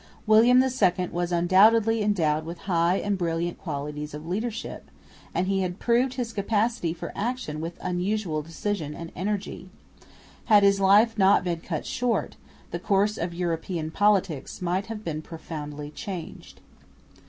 William II was undoubtedly endowed with high and brilliant qualities of leadership, and he had proved his capacity for action with unusual decision and energy. Had his life not been cut short, the course of European politics might have been profoundly changed.